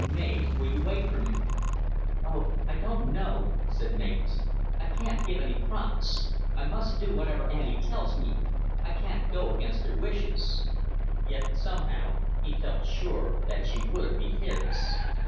Mav, will you wait for me? "Oh, I don't know," said Mavis. "I can't give any promise. I must do whatever Auntie tells me. I can't go against her wishes." Yet somehow he felt sure that she would be his.